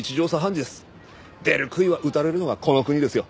出る杭は打たれるのがこの国ですよ。